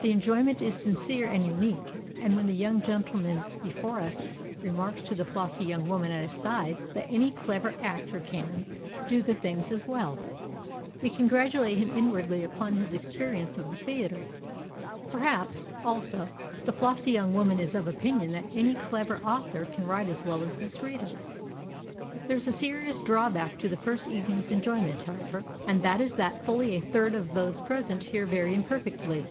The enjoyment is sincere and unique; and when the young gentleman before us remarks to the flossy young woman at his side that "any clever actor can do the thing as well," we congratulate him inwardly upon his experience of the theatre. Perhaps, also, the flossy young woman is of opinion that any clever author can write as well as this reader. There is a serious drawback to this first evening's enjoyment, however, and that is that fully a third of those present hear very imperfectly.